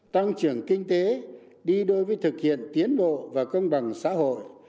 tăng trưởng kinh tế đi đôi với thực hiện tiến bộ và công bằng xã hội